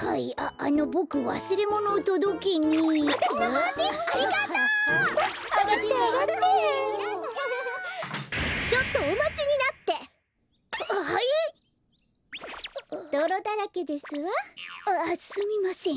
あっすみません。